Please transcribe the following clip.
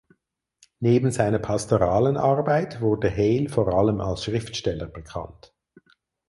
Neben seiner pastoralen Arbeit wurde Hale vor allem als Schriftsteller bekannt.